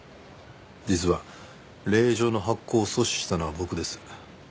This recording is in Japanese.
実は令状の発行を阻止したのは僕です。